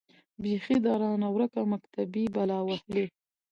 بيـخي ده رانـه وركه مــكتبۍ بــلا وهــلې.